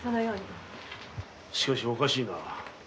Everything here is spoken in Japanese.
しかしおかしいな。